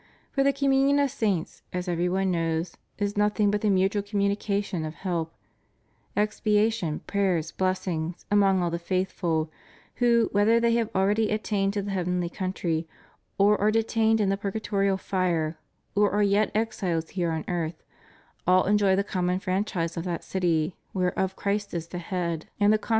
For the communion of saints, as every one knows, is nothing but the mutual communica tion of help, expiation, prayers, blessings, among all the faithful, who, whether they have already attained to the heavenly country, or are detained in the purgatorial fire, or are yet exiles here on earth, all enjoy the common fran chise of that city whereof Christ is the head, and the consti » Cone.